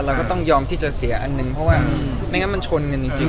เราก็ต้องยอมที่จะเสียอันหนึ่งเพราะว่าไม่งั้นมันชนกันจริง